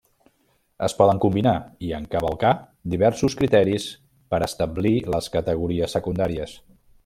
Es poden combinar i encavalcar diversos criteris per establir les categories secundàries.